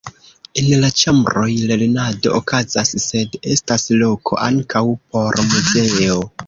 En la ĉambroj lernado okazas, sed estas loko ankaŭ por muzeo.